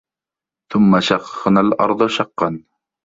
ثُمَّ شَقَقنَا الأَرضَ شَقًّا